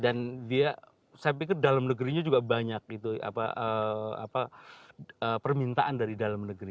dan dia saya pikir dalam negerinya juga banyak itu permintaan dari dalam negeri